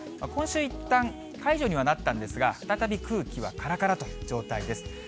今週いったん解除にはなったんですが、再び空気はからからという状態です。